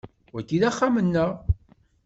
Wagi d axxam-nneɣ.